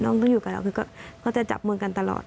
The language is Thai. น้องก็อยู่กับเราก็จะจับมือกันตลอด